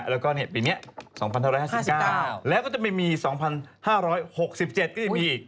แล้วก็เนี่ยปีนี้๒๕๕๙แล้วก็จะมี๒๕๖๗ก็จะมีอีก